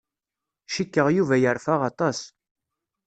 Cikkeɣ Yuba yerfa aṭas.